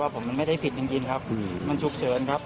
ผมมันไม่ได้ผิดจริงครับมันฉุกเฉินครับ